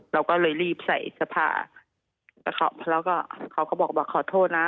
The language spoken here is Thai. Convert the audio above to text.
เราก็เลยรีบใส่เสื้อผ้าแล้วก็เขาก็บอกว่าขอโทษนะ